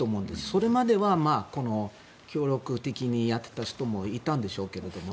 それまでは協力的にやっていた人もいたんでしょうから。